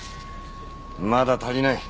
まだ足りない。